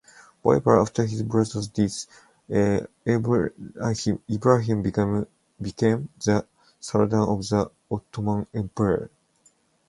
However, after his brother's death, Ibrahim became the Sultan of the Ottoman Empire.